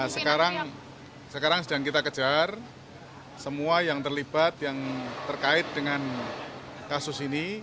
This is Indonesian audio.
sekarang sedang kita kejar semua yang terlibat yang terkait dengan kasus ini